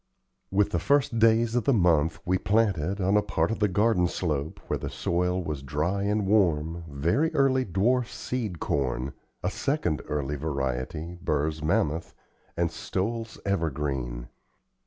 With the first days of the month we planted, on a part of the garden slope, where the soil was dry and warm, very early, dwarf sweet corn, a second early variety, Burr's Mammoth, and Stowell's Evergreen.